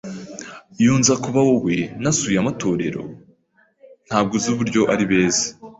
Iyo nza kuba wowe, nasuye amatorero. Ntabwo uzi uburyo ari beza.